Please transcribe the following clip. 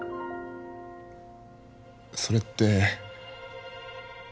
それって